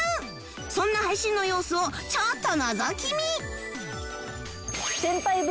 そんな配信の様子をちょっとのぞき見